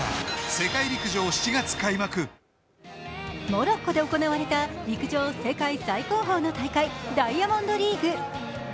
モロッコで行われた陸上世界最高峰の大会、ダイヤモンドリーグ。